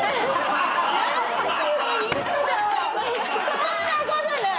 そんなことない！